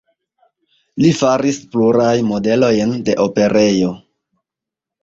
Li faris pluraj modelojn de operejo.